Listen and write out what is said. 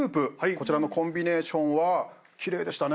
こちらのコンビネーションは奇麗でしたね。